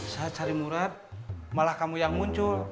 saat cari murad malah kamu yang muncul